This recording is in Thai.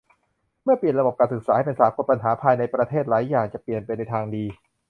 เมื่อเปลี่ยนระบบการศึกษาให้เป็นสากลปัญหาภายในประเทศหลายอย่างจะเปลี่ยนไปในทางดี